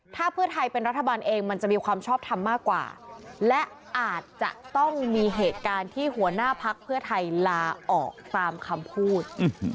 ถ้าเพื่อไทยเป็นรัฐบาลเองมันจะมีความชอบทำมากกว่าและอาจจะต้องมีเหตุการณ์ที่หัวหน้าพักเพื่อไทยลาออกตามคำพูด